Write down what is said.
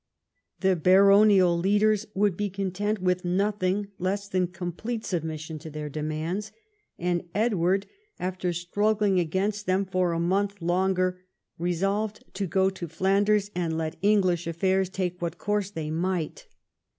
The baronial leaders would be content with nothing less than complete sub mission to their demands, and Edward, after struggling against them for a month longer, resolved to go to Flanders 196 EDWARD I chap. and let English affairs take what course they might.